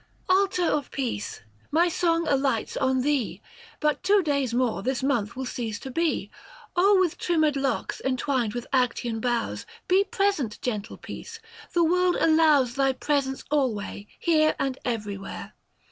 Altar of Peace ! my song alights on thee : But two days more this month will cease to be : 7G0 O with trimmed locks entwined with Actian boughs Be present gentle Peace ; the world allows Thy presence alway, here and everywhere.